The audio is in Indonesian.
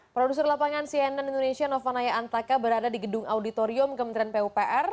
produser lapangan cnn indonesia nova naya antaka berada di gedung auditorium kementerian pupr